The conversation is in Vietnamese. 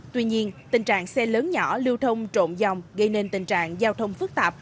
tuy nhiên tình trạng xe lớn nhỏ lưu thông trộn dòng gây nên tình trạng giao thông phức tạp